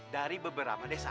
dari beberapa desa